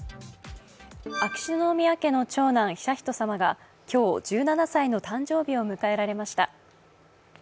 秋篠宮家の長男・悠仁さまが今日１７歳の誕生日を迎えられました。